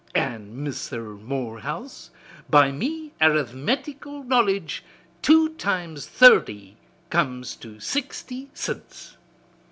An' Mister Morehouse, by me arithmetical knowledge two times thurty comes to sixty cints."